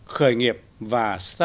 khởi nghiệp và sản phẩm